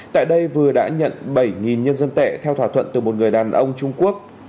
tại đây vừa đã nhận bảy nhân dân tệ theo thỏa thuận từ một người đàn ông trung quốc